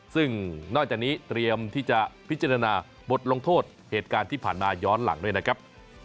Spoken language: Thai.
ซึ่งนอกจากนี้เตรียมที่จะพิจารณาบทลงโทษเหตุการณ์ที่ผ่านมาย้อนหลังด้วยนะครับ